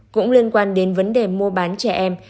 cũng liên quan đến vấn đề mua bán trẻ em